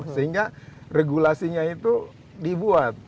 sehingga regulasinya itu dibuat